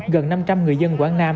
gần năm trăm linh người dân quảng nam